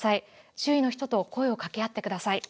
周囲の人と声をかけ合ってください。